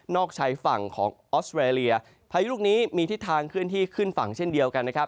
ชายฝั่งของออสเวรเลียพายุลูกนี้มีทิศทางเคลื่อนที่ขึ้นฝั่งเช่นเดียวกันนะครับ